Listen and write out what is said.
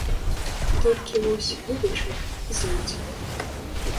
Толькі, вось, вывучы і з'едзь.